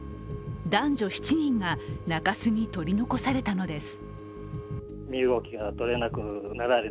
男女７人が中州に取り残されたのです。